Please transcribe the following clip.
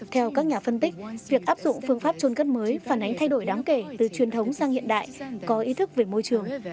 theo các nhà phân tích việc áp dụng phương pháp trôn cất mới phản ánh thay đổi đáng kể từ truyền thống sang hiện đại có ý thức về môi trường